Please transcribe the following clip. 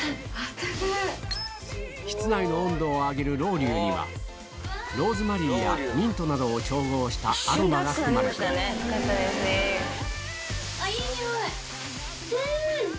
室内の温度を上げるロウリュにはローズマリーやミントなどを調合したアロマが含まれているうん！